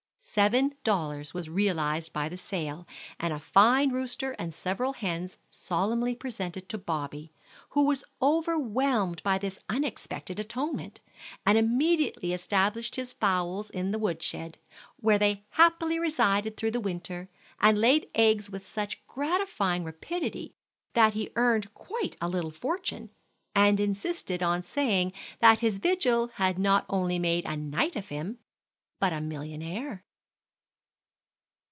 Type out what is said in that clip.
Seven dollars was realized by the sale, and a fine rooster and several hens solemnly presented to Bobby, who was overwhelmed by this unexpected atonement, and immediately established his fowls in the wood shed, where they happily resided through the winter, and laid eggs with such gratifying rapidity that he earned quite a little fortune, and insisted on saying that his vigil had not only made a knight of him, but a millionnaire.